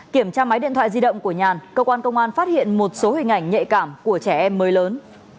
kiểm tra máy điện thoại di động của nhàn cơ quan công an phát hiện một số hình ảnh nhạy cảm của trẻ em mới lớn